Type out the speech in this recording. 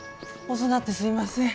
遅なってすいません。